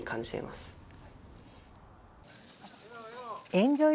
エンジョイ